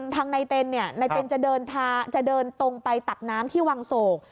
ทางนายเต็นนายเต็นจะเดินตรงไปตักน้ำที่วังโศก